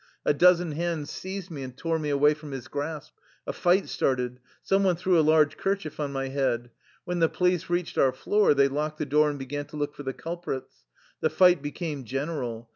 A dozen hands seized me and tore me away from his grasp. A fight started. Some one threw a large kerchief on my head. When the police reached our floor, they locked the door and began to look for the cul prits. The fight became general.